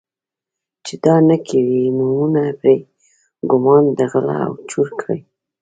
چې دا نه کوي یې نومه پرې ګومان د غله او چور کړي.